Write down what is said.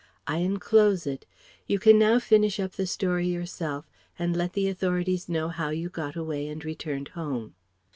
I enclose it. You can now finish up the story yourself and let the authorities know how you got away and returned home.